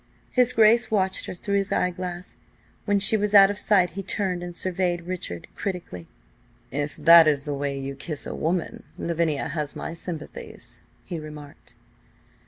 His Grace watched her through his eyeglass. When she was out of sight he turned and surveyed Richard critically. "If that is the way you kiss a woman, Lavinia has my sympathies," he remarked.